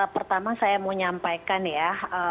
pertama saya mau nyampaikan ya